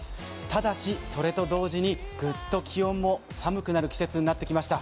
ただしそれと同時にぐっと気温も寒くなる季節になってきました。